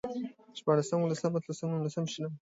شپاړسم، اوولسم، اتلسم، نولسم، شلم